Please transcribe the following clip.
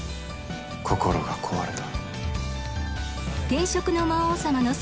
心が壊れた。